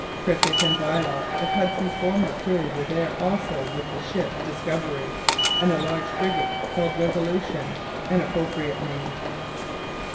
Prickett and Bylot, of Hudson's former crew, were there also with the old ship Discovery and a large frigate called Resolution, an appropriate name.